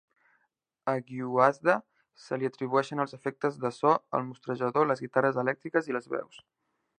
A Gwiazda se li atribueixen els efectes de so, el mostrejador, les guitarres elèctriques i les veus.